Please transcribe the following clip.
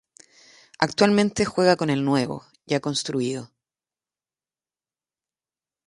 Actualmente juega en el nuevo, ya construido.